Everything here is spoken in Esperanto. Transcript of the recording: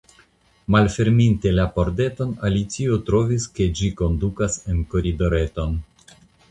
Malferminte la pordeton, Alicio trovis ke ĝi kondukas en koridoreton.